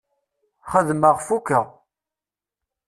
Xedmeɣ fukeɣ.